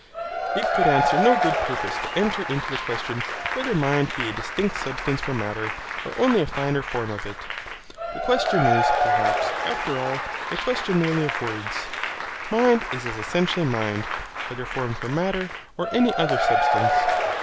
It could answer no good purpose to enter into the question whether mind be a distinct substance from matter, or only a finer form of it. The question is, perhaps, after all, a question merely of words. Mind is as essentially mind, whether formed from matter or any other substance.